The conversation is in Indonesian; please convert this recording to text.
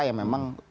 yang memang terungkap